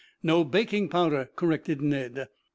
"No, baking powder," corrected Ned.